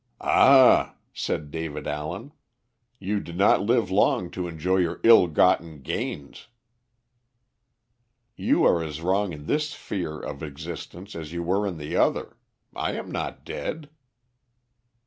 "Ah," said David Allen, "you did not live long to enjoy your ill gotten gains." "You are as wrong in this sphere of existence as you were in the other. I am not dead."